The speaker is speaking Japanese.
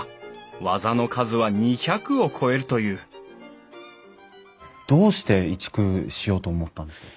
技の数は２００を超えるというどうして移築しようと思ったんですか？